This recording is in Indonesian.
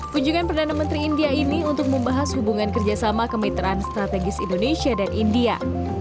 kunjungan perdana menteri india ini untuk membahas hubungan kerjasama kemitraan strategis indonesia dan india